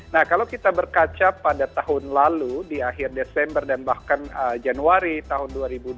nah kalau kita berkaca pada tahun lalu di akhir desember dan bahkan januari tahun dua ribu dua puluh